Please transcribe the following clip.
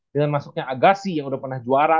dengan masuknya agasi yang udah pernah juara